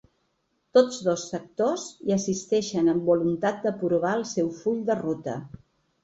Tots dos sectors hi assisteixen amb voluntat d’aprovar el seu full de ruta.